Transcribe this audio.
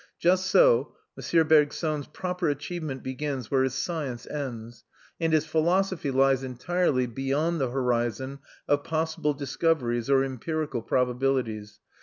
Just so M. Bergson's proper achievement begins where his science ends, and his philosophy lies entirely beyond the horizon of possible discoveries or empirical probabilities.